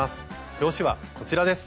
表紙はこちらです。